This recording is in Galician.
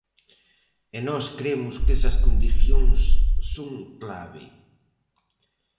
E nós cremos que esas condicións son clave.